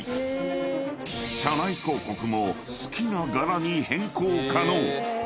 ［車内広告も好きな柄に変更可能］